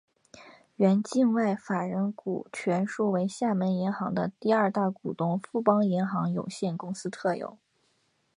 原境外法人股全数为厦门银行的第二大股东富邦银行有限公司持有。